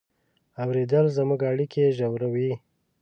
اورېدل زموږ اړیکې ژوروي.